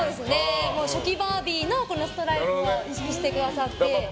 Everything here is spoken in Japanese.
初期バービーのストライプを意識してくださって。